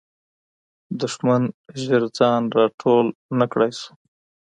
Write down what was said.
دښمن زر ځان را ټول نه کړی سو.